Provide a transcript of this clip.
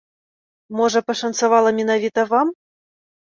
Можа, пашанцавала менавіта вам?